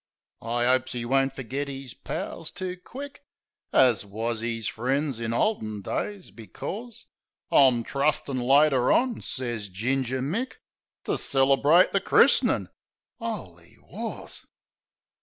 I 'opes 'e won't fergit 'is pals too quick As wus 'is frien's in olden days, becors, I'm trustin', later on," sez Ginger Mick, "To celebrate the chris'nin'." ... 'Oly wars!